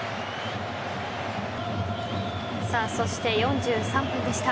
そして４３分でした。